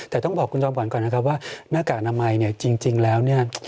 แต่ต้องบอกคุณจอมขวัญก่อนนะครับว่าหน้ากากอนามัยเนี่ยจริงแล้วเนี่ย